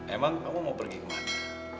emang kamu mau pergi kemana